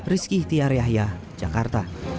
rizky tiar yahya jakarta